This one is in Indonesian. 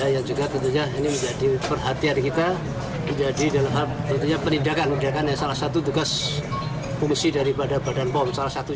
yang juga tentunya menjadi perhatian kita menjadi penindakan salah satu tugas fungsi dari badan pom